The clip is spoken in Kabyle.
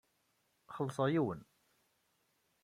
Kelseɣ yiwen.